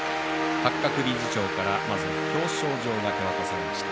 八角理事長からまず表彰状が手渡されました。